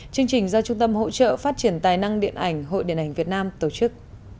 chương trình do trung tâm hỗ trợ phát triển tài năng điện ảnh hội điện ảnh việt nam tổ chức